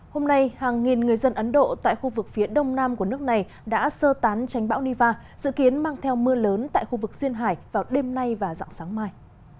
hôm nay hàng nghìn người dân ấn độ tại khu vực phía đông nam của nước này đã sơ tán tránh bão niva dự kiến mang theo mưa lớn tại khu vực duyên hải vào đêm nay và dạng sáng mai